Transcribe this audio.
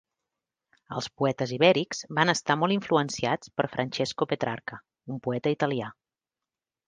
Els poetes ibèrics van estar molt influenciats per Francesco Petrarca, un poeta italià.